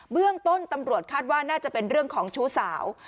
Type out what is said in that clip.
เบื้องต้นตำรวจคาดว่าน่าจะเป็นเรื่องของชู้สาว